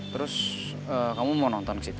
terus kamu mau nonton ke situ